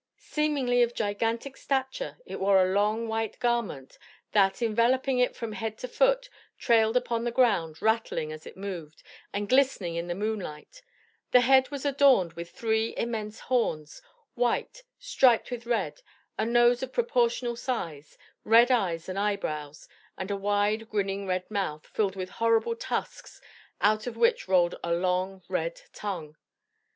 Seemingly of gigantic stature, it wore a long, white garment, that, enveloping it from head to foot, trailed upon the ground, rattling as it moved, and glistening in the moonlight; the head was adorned with three immense horns, white, striped with red, a nose of proportional size, red eyes and eyebrows, and a wide, grinning red mouth, filled with horrible tusks, out of which roiled a long red tongue.